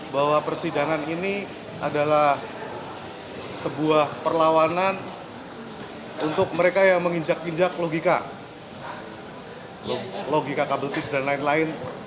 bahwa persidangan ini adalah sebuah perlawanan untuk mereka yang menginjak injak logika logika kabel tis dan lain lain